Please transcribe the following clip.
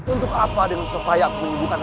untuk apa dengan supaya aku menyembuhkan